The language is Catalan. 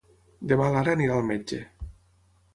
Demà na Lara irà al metge.